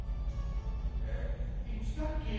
えいつだっけ？